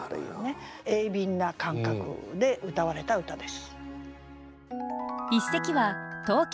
鋭敏な感覚でうたわれた歌です。